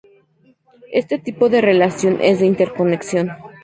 Este tipo de relación es de interconexión.